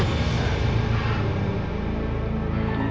tunggu apa lagi